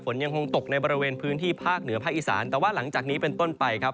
ยังคงตกในบริเวณพื้นที่ภาคเหนือภาคอีสานแต่ว่าหลังจากนี้เป็นต้นไปครับ